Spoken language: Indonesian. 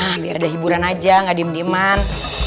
hah biar ada hiburan aja gak diem dieman